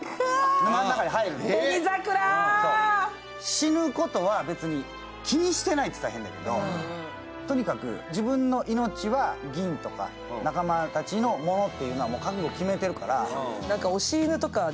死ぬことは別に気にしてないって言ったら変だけど、とにかく自分の命は銀とか仲間たちのものってもう覚悟を決めてるから。